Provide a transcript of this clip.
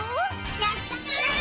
やった！